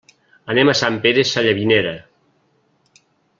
Anem a Sant Pere Sallavinera.